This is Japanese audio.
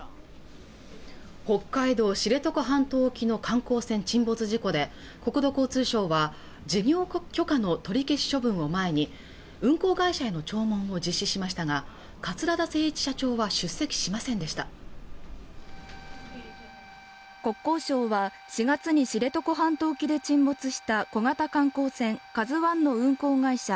北海道知床半島沖の観光船沈没事故で国土交通省は事業許可の取り消し処分を前に運航会社への聴聞を実施しましたが桂田精一社長は出席しませんでした国交省は４月に知床半島沖で沈没した小型観光船「ＫＡＺＵ１」の運航会社